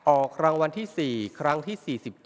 ออกรางวัลที่๔ครั้งที่๔๗